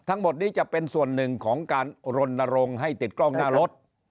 ทั้งหมดนี้จะเป็นส่วนหนึ่งของการรณรงค์ให้ติดกล้องหน้ารถ